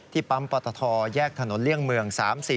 ปั๊มปตทแยกถนนเลี่ยงเมือง๓๔